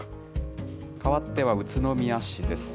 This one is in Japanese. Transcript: かわっては宇都宮市です。